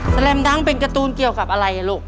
แลมดังเป็นการ์ตูนเกี่ยวกับอะไรลูก